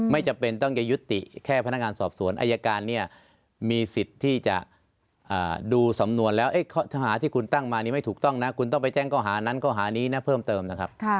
ไม่จำเป็นต้องจะยุติแค่พนักงานสอบสวนอายการเนี่ยมีสิทธิ์ที่จะดูสำนวนแล้วข้อหาที่คุณตั้งมานี่ไม่ถูกต้องนะคุณต้องไปแจ้งข้อหานั้นข้อหานี้นะเพิ่มเติมนะครับ